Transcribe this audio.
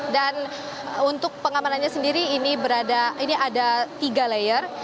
dan untuk pengamanannya sendiri ini ada tiga layer